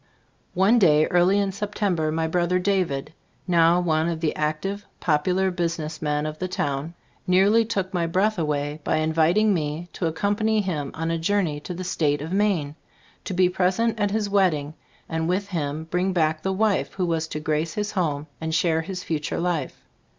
One day, early in September, my brother David, now one of the active, popular business men of the town, nearly took my breath away by invit ing me to accompany him on a jour ney to the state of Maine, to be pres ent at his wedding and with him bring back the wife who was to grace his home and share his future life.